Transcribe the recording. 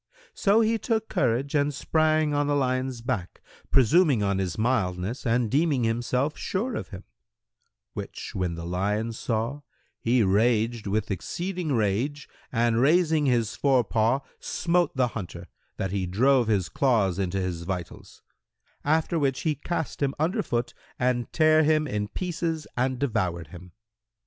So he took courage and sprang on the lion's back, presuming on his mildness and deeming himself sure of him; which when the lion saw, he raged with exceeding rage and raising his fore paw, smote the hunter, that he drove his claws into his vitals; after which he cast him under foot and tare him in pieces and devoured him.